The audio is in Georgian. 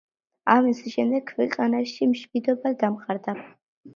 ამის შემდეგ ქვეყანაში მშვიდობა დამყარდა.